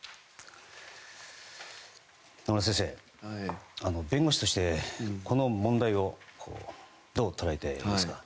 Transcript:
野村先生、弁護士としてこの問題をどう捉えていますか。